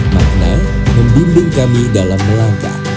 makna membunding kami dalam melangkah